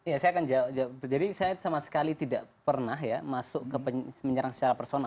ya saya akan jawab jadi saya sama sekali tidak pernah ya masuk ke menyerang secara personal